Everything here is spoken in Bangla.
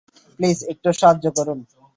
প্লিজ একটু সাহায্য করুন।